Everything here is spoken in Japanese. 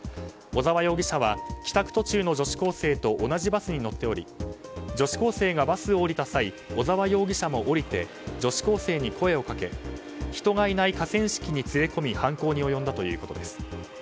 小沢容疑者は帰宅途中の女子高生と同じバスに乗っており女子高生が降りた際小澤容疑者も降りて女子高生に声をかけ人がいない河川敷に連れ込み犯行に及んだということです。